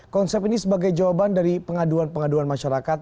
konsep ini sebagai jawaban dari pengaduan pengaduan masyarakat